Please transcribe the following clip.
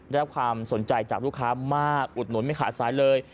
ได้รับความสนใจจากลูกค้ามากอุดหนุนไม่ขาดสายเลย